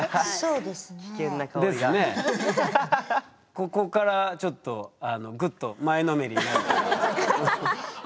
ここからちょっとグッと前のめりになるけど。